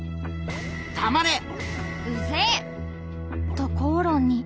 と口論に。